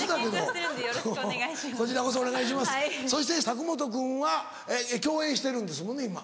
そして佐久本君は共演してるんですもんね